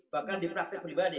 bahkan di praktik pribadi